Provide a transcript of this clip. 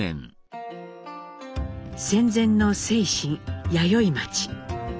戦前の清津弥生町。